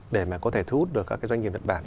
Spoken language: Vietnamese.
để mà có thể thu hút được các cái doanh nghiệp nhật bản